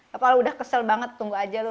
kalau udah kesel banget tunggu aja lu